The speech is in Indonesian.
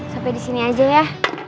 sampai disini aja ya